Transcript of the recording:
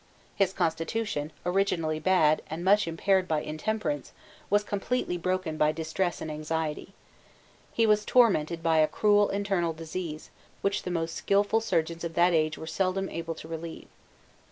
His constitution, originally bad, and much impaired by intemperance, was completely broken by distress and anxiety. He was tormented by a cruel internal disease, which the most skilful surgeons of that age were seldom able to relieve.